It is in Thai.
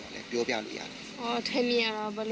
ถ้ามีบีบบบปฏิเสธเป็นสิ่งแรงสิ